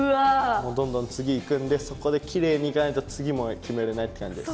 もうどんどん次いくんでそこできれいにいかないと次も決めれないって感じです。